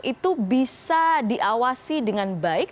itu bisa diawasi dengan baik